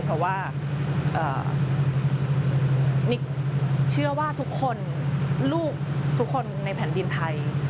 แต่จะชื่อว่าทุกคนลูกในแผนดินไทย